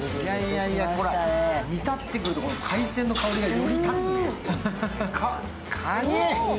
煮立ってくると海鮮の香りがより立つね。